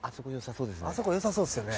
あそこ良さそうですね。